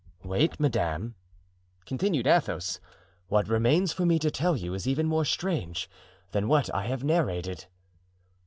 "Wait, madame," continued Athos, "what remains for me to tell you is even more strange than what I have narrated."